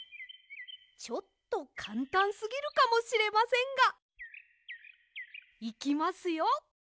ちょっとかんたんすぎるかもしれませんが。いきますよ！